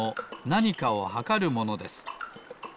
なにかをはかるものです。